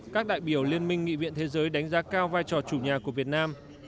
các đại biểu liên minh nghị viện thế giới đánh giá cao vai trò chủ nhà của việt nam